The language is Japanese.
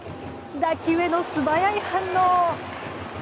打球への素早い反応！